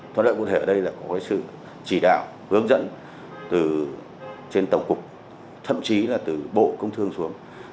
thuận lợi cụ thể ở đây là có sự chỉ đạo hướng dẫn từ trên tổng cục thậm chí là từ bộ công thương xuống